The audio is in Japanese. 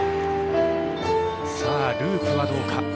ループはどうか。